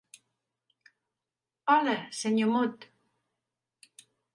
Hola, senyor Mot.